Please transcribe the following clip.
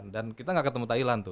dan kita gak ketemu thailand tuh